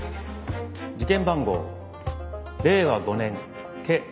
事件番号令和５年ケ